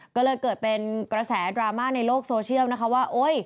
ก็เลยเกิดเป็นกระแสดราม่าในโลกโซเชียลนะคะว่าโอ๊ย